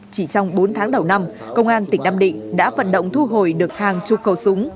chỉ trong bốn tháng đầu năm công an tỉnh nam định đã vận động thu hồi được hàng chục khẩu súng